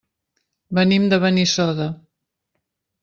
Venim de Benissoda.